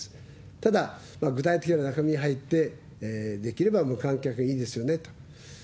ただ、具体的な中身に入って、できれば無観客いいですよねと。